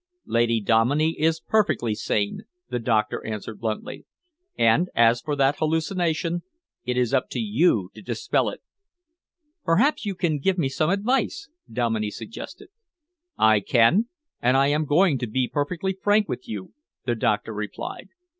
"Lady Dominey is perfectly sane," the doctor answered bluntly, "and as for that hallucination, it is up to you to dispel it." "Perhaps you can give me some advice?" Dominey suggested. "I can, and I am going to be perfectly frank with you," the doctor replied.